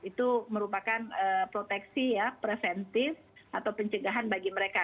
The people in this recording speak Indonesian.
itu merupakan proteksi ya preventif atau pencegahan bagi mereka